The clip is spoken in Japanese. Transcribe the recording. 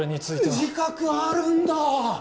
自覚あるんだ。